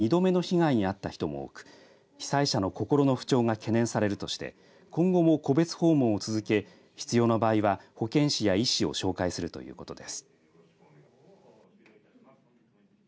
武雄市は、おととしの佐賀豪雨に続き２度目の被害に遭った人も多く被災者の心の不調が懸念されるとして今後も戸別訪問を続け必要な場合は保健師や医師を紹介するということです。